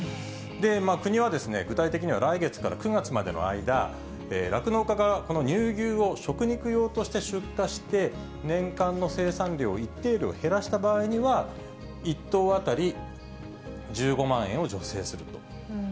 国は具体的には来月から９月までの間、酪農家がこの乳牛を食肉用として出荷して、年間の生産量を一定量減らした場合には、１頭当たり１５万円を助成する。